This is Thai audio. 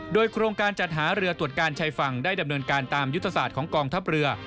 โดยโครงการจัดหาเรือตรวจการชายฝั่งได้ดำเนินการตามยุทธศาสตร์ของกองทัพเรือ